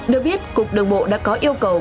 được biết cục đồng bộ đã có yêu cầu